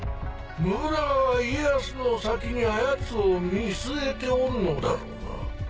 信長は家康の先にあやつを見据えておるのだろうな。